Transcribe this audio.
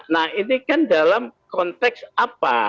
nah ini kan dalam konteks apa